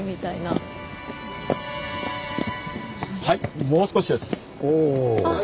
はいもう少しです。